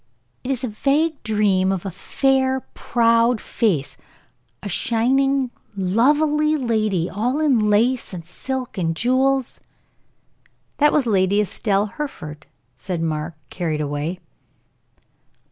"It is a vague dream of a fair, proud face, a shining, lovely lady all in lace, and silk, and jewels!" "That was Lady Estelle Hereford," said Mark, carried away.